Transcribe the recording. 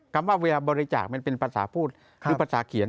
คำว่าเวลาบริจาคมันเป็นภาษาพูดหรือภาษาเขียน